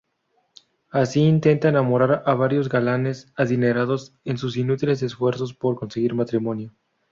Así intenta enamorar a varios galanes adinerados en sus inútiles esfuerzos por conseguir matrimonio.